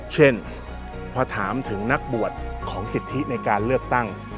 เช่นพอถามถึงนักบวชของสิทธิในการเลือกตั้ง